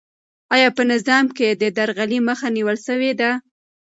آیا په نظام کې د درغلۍ مخه نیول سوې ده؟